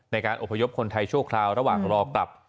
ในการอบพยพคนไทยชั่วคราวระหว่างรอกลับ